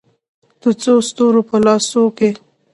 د څو ستورو په لاسو کې